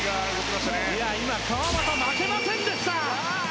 いや今川真田負けませんでした。